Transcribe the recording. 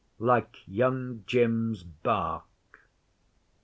like Young jim's bark.